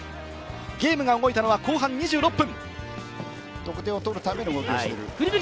ゲームが動いたのは後半２６分。